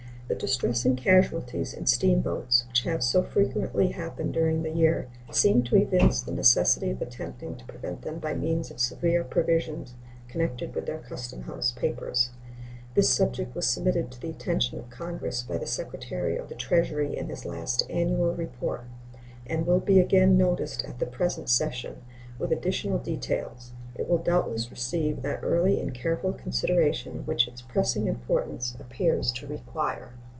The distressing casualties in steamboats which have so frequently happened during the year seem to evince the necessity of attempting to prevent them by means of severe provisions connected with their customhouse papers. This subject was submitted to the attention of Congress by the Secretary of the Treasury in his last annual report, and will be again noticed at the present session, with additional details. It will doubtless receive that early and careful consideration which its pressing importance appears to require.